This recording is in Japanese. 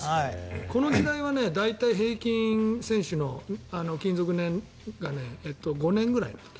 この時代は大体、平均の勤続年が５年ぐらい。